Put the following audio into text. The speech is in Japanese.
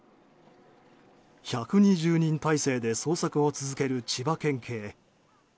１２０人態勢で捜索を続ける千葉県警。